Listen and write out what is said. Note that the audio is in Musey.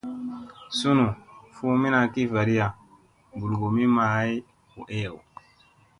Sunu fuumina ki vaɗiya mɓulgumi maa ay hu ew.